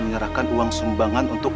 eh apak yang angkat